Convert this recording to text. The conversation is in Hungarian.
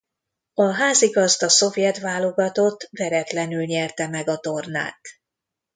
A házigazda szovjet válogatott veretlenül nyerte meg a tornát.